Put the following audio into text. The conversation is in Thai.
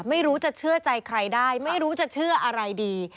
ไม่รู้จะเชื่อใจใครได้ไม่รู้จะเชื่ออะไรดี